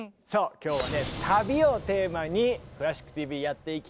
今日は「旅」をテーマに「クラシックＴＶ」やっていきたいと思っております。